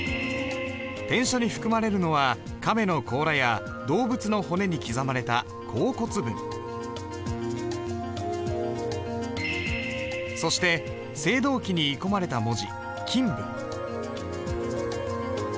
篆書に含まれるのは亀の甲羅や動物の骨に刻まれたそして青銅器に鋳込まれた文字